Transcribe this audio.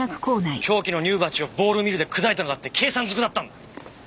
凶器の乳鉢をボールミルで砕いたのだって計算ずくだったんだ！